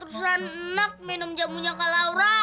ruslan enak minum jamunya kak laura